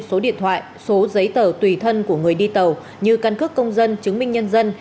số điện thoại số giấy tờ tùy thân của người đi tàu như căn cước công dân chứng minh nhân dân